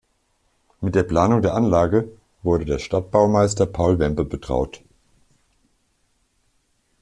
Mit der Planung der Anlage wurde der Stadtbaumeister Paul Wempe betraut.